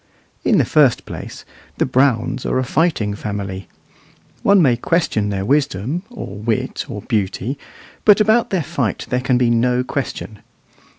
In the first place, the Browns are a fighting family. One may question their wisdom, or wit, or beauty, but about their fight there can be no question.